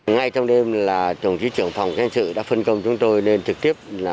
ngay trong đêm là tổng chí trưởng phòng cảnh sử đã phân công chúng tôi nên trực tiếp